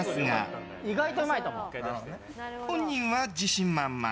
本人は自信満々。